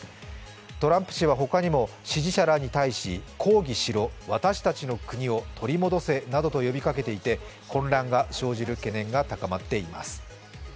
トランプ氏は他にも支持者らに対し、抗議しろ私たちの国を取り戻せなどと呼びかけていて混乱が生じる懸念が高まっています。